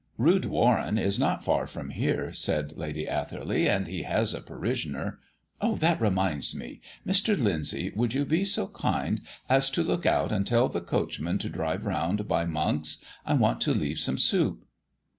"Rood Warren is not far from here," said Lady Atherley, "and he has a parishioner Oh, that reminds me. Mr. Lyndsay, would you be so kind as to look out and tell the coachman to drive round by Monk's? I want to leave some soup."